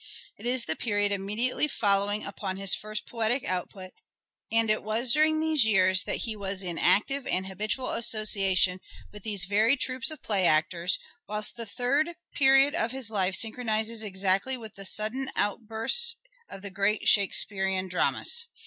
It is the period immediately following upon his first poetic output, and it was during these years EDWARD DE VERE AS LYRIC POET 161 that he was in active and habitual association with these very troupes of play actors, whilst the third period of his life synchronizes exactly with the sudden outburst of the great Shakespearean dramas.